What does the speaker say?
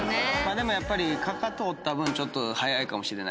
でもやっぱりかかと折った分ちょっと早いかもしれないね